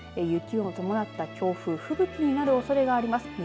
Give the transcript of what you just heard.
雪を伴った強風吹雪になるおそれがあります。